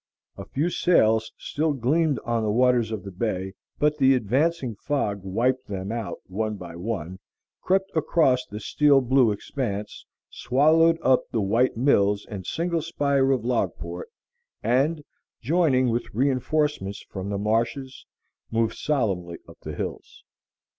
A few sails still gleamed on the waters of the bay; but the advancing fog wiped them out one by one, crept across the steel blue expanse, swallowed up the white mills and single spire of Logport, and, joining with reinforcements from the marshes, moved solemnly upon the hills.